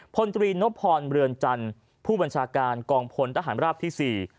พลตรีนพรเรือนจันทร์ผู้บัญชาการกองพลทหารราบที่สี่